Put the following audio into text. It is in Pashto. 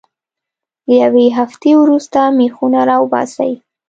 له یوې هفتې وروسته میخونه را وباسئ.